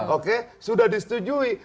oke sudah disetujui